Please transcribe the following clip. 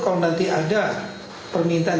kalau nanti ada permintaan